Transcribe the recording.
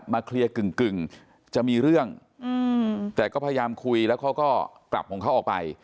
เคลียร์กึ่งจะมีเรื่องแต่ก็พยายามคุยแล้วเขาก็กลับของเขาออกไป